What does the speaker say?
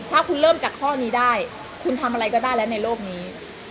ถ้าคุณเริ่มจากข้อนี้ได้คุณทำอะไรก็ได้แล้วในโลกนี้